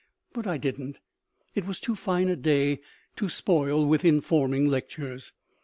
But I didn't. It was too fine a day to spoil with informing lectures.